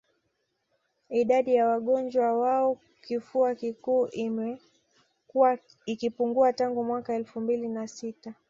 Idadi ya wagonjwa wa kifua kikuu imekuwa ikipungua tangu mwaka elfu mbili na sita